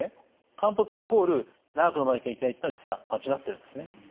漢方薬イコール長くのまなきゃいけないっていうのは実は間違ってるんですね。